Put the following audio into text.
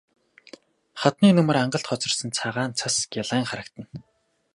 Хадны нөмөр ангалд хоцорсон цагаан цас гялайн харагдана.